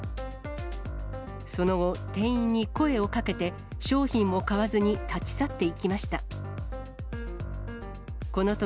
その後、店員に声をかけて、商品も買わずに立ち去っていきました。